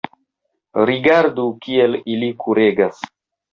rigardu, kiel ili kuregas.